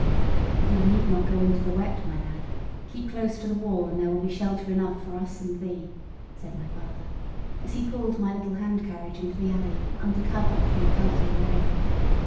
"Thee need not go into the wet, my lad. Keep close to the wall, and there will be shelter enough both for us and thee," said my father, as he pulled my little hand carriage into the alley, under cover, from the pelting rain.